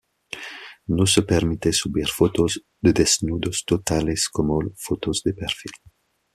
No se permite subir fotos de desnudos totales como fotos de perfil.